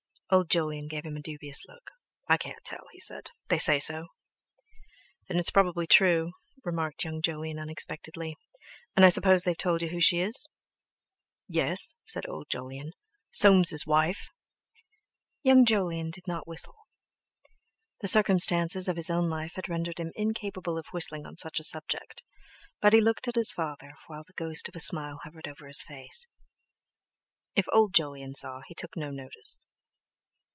Old Jolyon gave him a dubious look: "I can't tell," he said; "they say so!" "Then, it's probably true," remarked young Jolyon unexpectedly; "and I suppose they've told you who she is?" "Yes," said old Jolyon, "Soames's wife!" Young Jolyon did not whistle: The circumstances of his own life had rendered him incapable of whistling on such a subject, but he looked at his father, while the ghost of a smile hovered over his face. If old Jolyon saw, he took no notice.